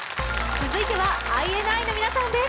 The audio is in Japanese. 続いてはＩＮＩの皆さんです。